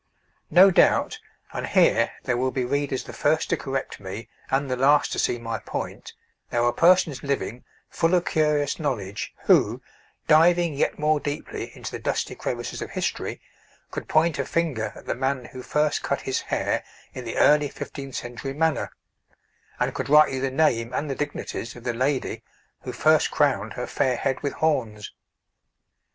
No doubt and here there will be readers the first to correct me and the last to see my point there are persons living full of curious knowledge who, diving yet more deeply into the dusty crevices of history, could point a finger at the man who first cut his hair in the early fifteenth century manner, and could write you the name and the dignities of the lady who first crowned her fair head with horns.